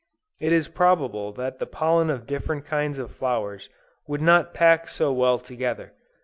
It is probable that the pollen of different kinds of flowers would not pack so well together.